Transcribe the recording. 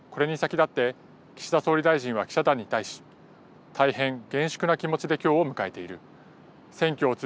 これに先立って岸田総理大臣は記者団に対し大変厳粛な気持ちできょうを迎えている。